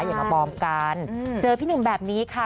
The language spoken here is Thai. อย่ามาบอมกันเจอพี่หนุ่มแบบนี้ค่ะ